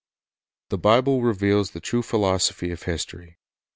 The Bible reveals the true philosophy of history.